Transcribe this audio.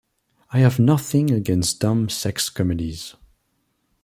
I have nothing against dumb sex comedies.